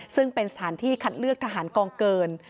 ซึ่งเป็นสถานที่คัดเลือกทหารกองเกิน